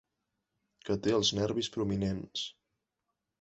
Que té els nervis prominents.